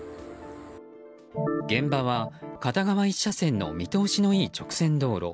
現場は、片側１車線の見通しのいい直線道路。